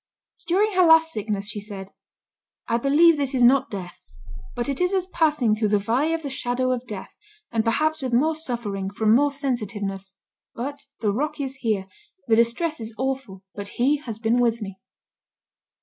During her last sickness she said, "I believe this is not death, but it is as passing through the valley of the shadow of death, and perhaps with more suffering, from more sensitiveness; but the 'rock is here'; the distress is awful, but He has been with me."